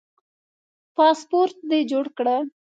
پاسپورټ دي جوړ کړه